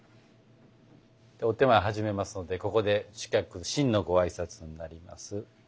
ではお点前始めますのでここで主客「真」のご挨拶になります。